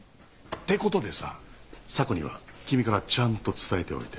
ってことでさ査子には君からちゃんと伝えておいて。